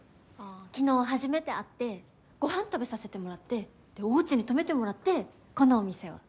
昨日初めて会ってごはん食べさせてもらってでおうちに泊めてもらってこのお店を。